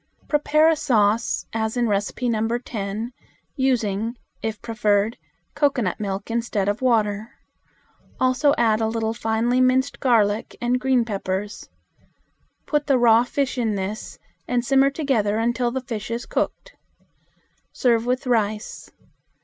Prepare a sauce, as in No. 10, using, if preferred, cocoanut milk instead of water. Also add a little finely minced garlic and green peppers. Put the raw fish in this and simmer together until the fish is cooked. Serve with rice.